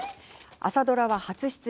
朝ドラは初出演。